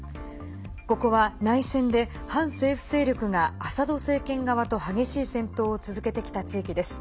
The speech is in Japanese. ここは内戦で反政府勢力がアサド政権側と激しい戦闘を続けてきた地域です。